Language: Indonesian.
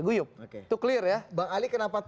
guyuk itu clear ya bang ali kenapa